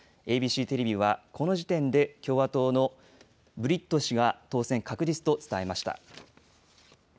ＡＢＣテレビはこの時点で共和党のブリット氏が当選確実と伝えました。